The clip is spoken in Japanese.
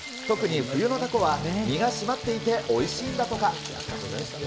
特に冬のタコは身が締まっていておいしいんだとか。